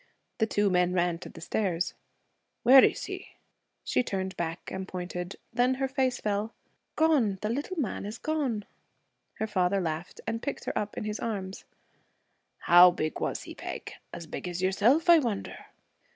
The two men ran to the stairs. 'Where is he?' She turned back and pointed. Then her face fell. 'Gone! the little man is gone!' Her father laughed and picked her up in his arms. 'How big was he, Peg? As big as yourself, I wonder?'